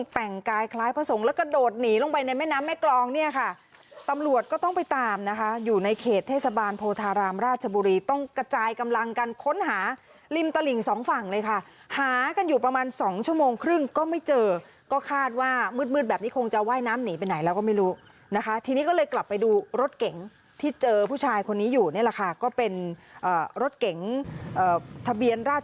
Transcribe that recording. ตอนนี้ค่ะตำรวจก็ต้องไปตามนะคะอยู่ในเขตเทศบาลโพธารามราชบุรีต้องกระจายกำลังกันค้นหาริมตลิ่งสองฝั่งเลยค่ะหากันอยู่ประมาณสองชั่วโมงครึ่งก็ไม่เจอก็คาดว่ามืดแบบนี้คงจะไหว้น้ำหนีไปไหนแล้วก็ไม่รู้นะคะทีนี้ก็เลยกลับไปดูรถเก๋งที่เจอผู้ชายคนนี้อยู่นี่แหละค่ะก็เป็นรถเก๋งทะเบียนรา